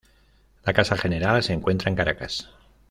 La casa general se encuentra en Caracas.